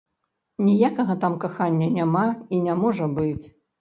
Ніякага там кахання няма і не можа быць.